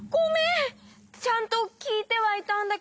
ちゃんときいてはいたんだけど。